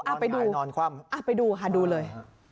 เอาไปดูนอนคว่ำไปดูค่ะดูเลย